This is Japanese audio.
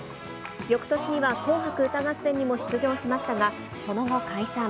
よくとしには紅白歌合戦にも出場しましたが、その後、解散。